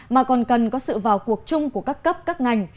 mà còn cần có sự vào cuộc chung của các cấp các ngành